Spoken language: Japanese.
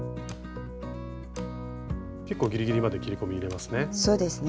結構ギリギリまで切り込み入れますね。